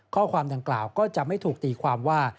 ข้อความดังกล่าวก็จะไม่ถูกตีความว่า